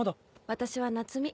私は夏美。